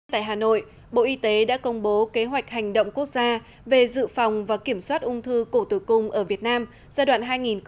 tại hà nội bộ y tế đã công bố kế hoạch hành động quốc gia về dự phòng và kiểm soát ung thư cổ tử cung ở việt nam giai đoạn hai nghìn một mươi sáu hai nghìn hai mươi